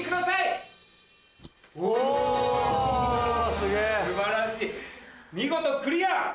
素晴らしい見事クリア！